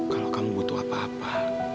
kalau kamu butuh apa apa